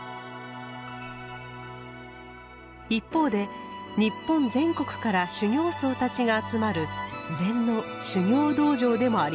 一方で日本全国から修行僧たちが集まる禅の修行道場でもあります。